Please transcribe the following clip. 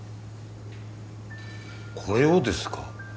これをですか？